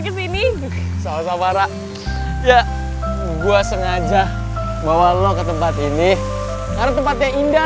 kesini sama samara ya gua sengaja bawa lo ke tempat ini karena tempatnya indah